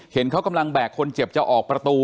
เห็นเขากำลังแบกคนเจ็บจะออกประตู